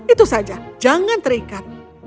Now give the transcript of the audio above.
itu saja jangan terikat